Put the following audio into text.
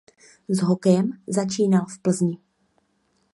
S hokejem začínal v Plzni.